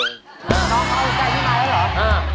น้องเค้าเอาใจพี่มายแล้วหรอ